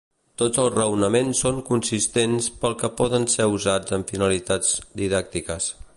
Tots els raonaments són consistents pel que poden ser usats amb finalitats didàctiques.